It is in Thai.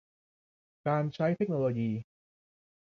การใช้เทคโนโลยี